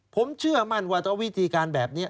ผมเชื่อมั่นว่าถ้าวิธีการแบบนี้